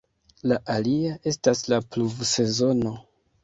La alia estas la pluvsezono.